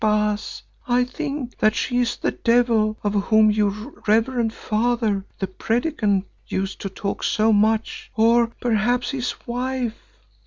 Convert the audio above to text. Baas, I think that she is the devil of whom your reverend father, the Predikant, used to talk so much, or perhaps his wife."